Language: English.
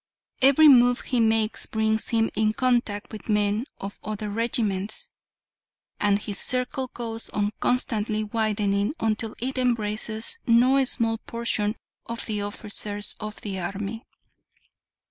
Every move he makes brings him in contact with men of other regiments, and his circle goes on constantly widening until it embraces no small portion of the officers of the army.